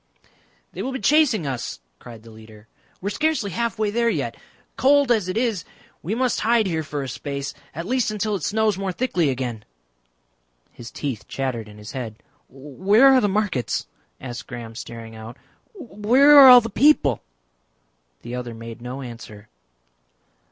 "They will be chasing us," cried the leader. "We are scarcely halfway there yet. Cold as it is we must hide here for a space at least until it snows more thickly again." His teeth chattered in his head. "Where are the markets?" asked Graham staring out. "Where are all the people?" The other made no answer.